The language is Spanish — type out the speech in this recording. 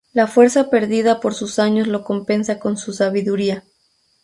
La fuerza perdida por sus años lo compensa con su sabiduría.